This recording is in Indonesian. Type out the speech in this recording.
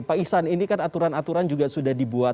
pak ihsan ini kan aturan aturan juga sudah dibuat